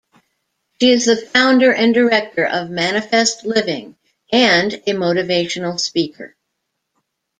She is the founder and director of Manifest Living and a motivational speaker.